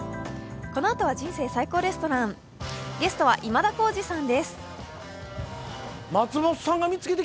このあとは「人生最高レストラン」ゲストは今田耕司さんです。